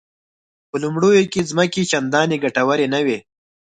په لومړیو کې ځمکې چندانې ګټورې نه وې.